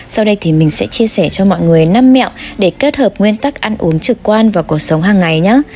sau đây thì mình sẽ chia sẻ cho mọi người năm mẹo để kết hợp nguyên tắc ăn uống trực quan và cuộc sống hàng ngày nhé